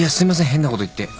変なこと言って。